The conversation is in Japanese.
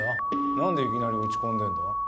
なんでいきなり落ち込んでんだ？